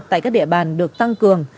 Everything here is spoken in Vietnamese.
tại các địa bàn được tăng cường